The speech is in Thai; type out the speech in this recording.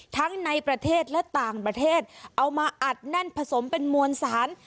ทั้งในประเทศและต่างประเทศเอามาอัดแน่นผสมเป็นมวลสาร